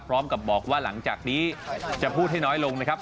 พร้อมกับบอกว่าหลังจากนี้จะพูดให้น้อยลงนะครับ